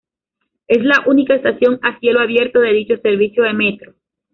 Es la única estación a cielo abierto de dicho servicio de metro.